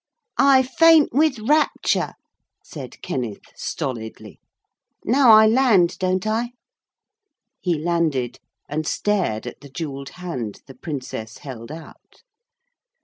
"' 'I faint with rapture,' said Kenneth stolidly. 'Now I land, don't I?' He landed and stared at the jewelled hand the Princess held out.